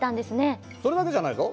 それだけじゃないぞ。